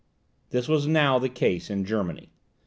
This was now the case in Germany.